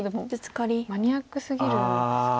マニアックすぎるんですか。